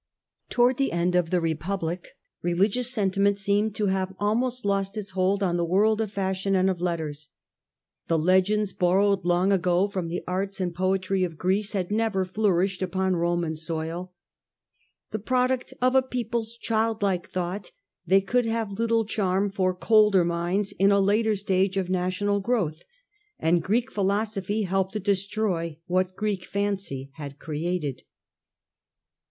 Towards the end of the Republic religious sentiment seemed to have almost lost its hold on the world ot fashion and of letters. The legends borrowed «cllSd"o be long ago with the arts and poetry of Greece Son the never flourished upon Roman soil. The Romar^ of product of a pcoplc^s childlike thought, they education. ^ould have littlc charm for colder minds in a later stage of national growth, and Greek philosophy helped to destroy what Greek fancy had created.